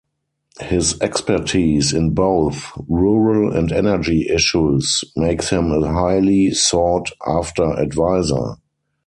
His expertise in both rural and energy issues makes him a highly sought-after advisor.